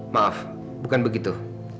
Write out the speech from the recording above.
maaf bukan begitu